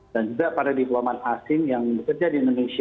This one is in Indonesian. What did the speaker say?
dan juga para dikeluarga asing yang bekerja di indonesia